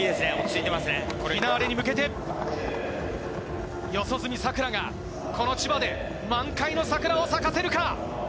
フィナーレに向けて、四十住さくらがこの千葉で満開のさくらを咲かせるか？